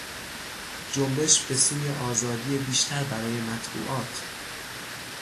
جنبش به سوی آزادی بیشتر برای مطبوعات